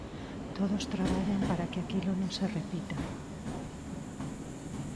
Todos traballan para que aquilo non se repita.